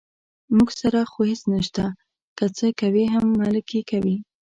موږ سره خو هېڅ نشته، که څه کوي هم ملک یې کوي.